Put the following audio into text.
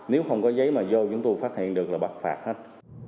nếu không có giấy mà vô chúng tôi phát hiện được là bắt phạt hết